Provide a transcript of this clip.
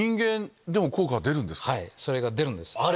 はいそれが出るんです。